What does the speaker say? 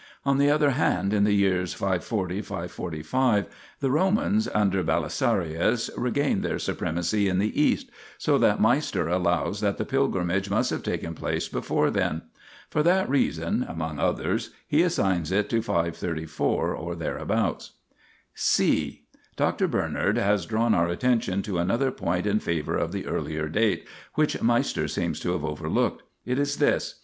1 On the other hand, in the years 540 545 the Romans (under Beli sarius) regained their supremacy in the East, so that Meister allows that the pilgrimage must have taken place before then. For that reason, among others, he assigns it to 534, or thereabouts. (c) Dr. Bernard has drawn our attention to another point in favour of the earlier date, which Meister seems to have overlooked. It is this.